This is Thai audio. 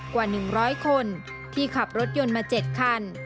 กว่า๑๐๐คนที่ขับรถยนต์มา๗คัน